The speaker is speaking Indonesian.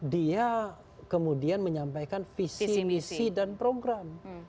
dia kemudian menyampaikan visi misi dan program